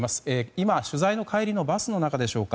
今取材の帰りのバスの中でしょうか。